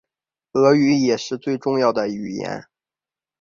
俄语也是重要语言。